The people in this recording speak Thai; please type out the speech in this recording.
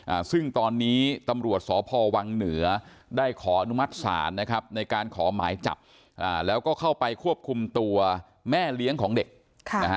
อ่าซึ่งตอนนี้ตำรวจสพวังเหนือได้ขออนุมัติศาลนะครับในการขอหมายจับอ่าแล้วก็เข้าไปควบคุมตัวแม่เลี้ยงของเด็กค่ะนะฮะ